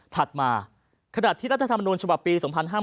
ถัดมาขณะที่รัฐธรรมนูญฉบับปี๒๕๕๙